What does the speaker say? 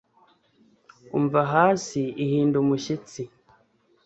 Umva hasi ihinda umushyitsi